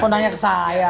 kok tanya ke saya